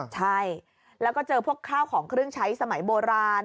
ใช่แล้วก็เจอพวกข้าวของเครื่องใช้สมัยโบราณ